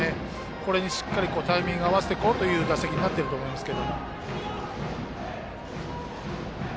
これにしっかりタイミングを合わせていこうという打席になっていると思いますが。